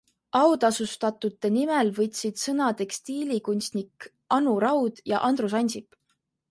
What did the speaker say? Autasustatute nimel võtsid sõna tekstiilikunstnik Anu Raud ja Andrus Ansip.